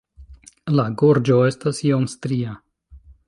La gorĝo estas iom stria.